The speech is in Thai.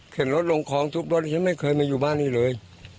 เห็นรถลงคลองทุบรถฉันไม่เคยมาอยู่บ้านนี้เลย